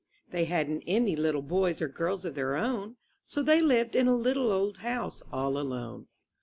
They hadn't any little boys or girls of their own, so they lived in a little old house all alone.